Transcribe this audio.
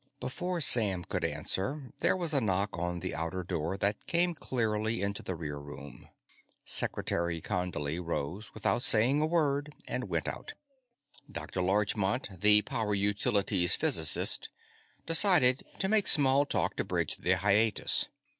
Before Sam could answer, there was a knock on the outer door that came clearly into the rear room. Secretary Condley rose without saying a word and went out. Dr. Larchmont, the Power Utilities physicist, decided to make small talk to bridge the hiatus.